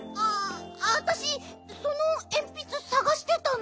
わたしそのえんぴつさがしてたの。